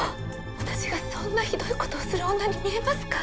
私がそんなひどいことをする女に見えますか？